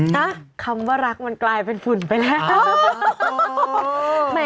นะคำว่ารักมันกลายเป็นฝุ่นไปแล้ว